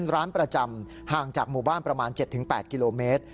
ร้านประจำห่างจากหมู่บ้านประมาณ๗๘กิโลเมตร